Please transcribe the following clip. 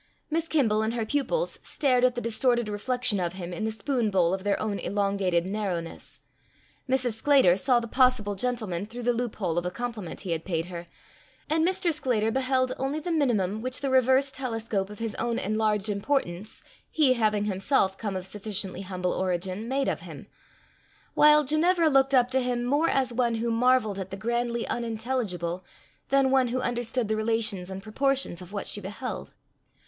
Miss Kimble and her pupils stared at the distorted reflexion of him in the spoon bowl of their own elongated narrowness; Mrs. Sclater saw the possible gentleman through the loop hole of a compliment he had paid her; and Mr. Sclater beheld only the minimum which the reversed telescope of his own enlarged importance, he having himself come of sufficiently humble origin, made of him; while Ginevra looked up to him more as one who marvelled at the grandly unintelligible, than one who understood the relations and proportions of what she beheld.